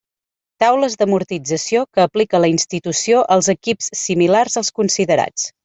Taules d'amortització que aplica la institució als equips similars als considerats.